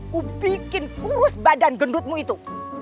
aku bikin kurus badan gendutmu itu